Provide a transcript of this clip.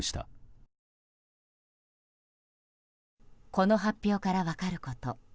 この発表から分かること。